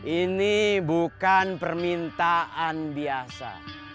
ini bukan permintaan biasa